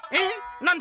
なんでだ？